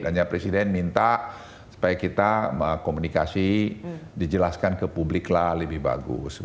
hanya presiden minta supaya kita komunikasi dijelaskan ke publik lah lebih bagus